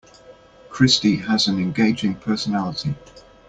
Christy has an engaging personality.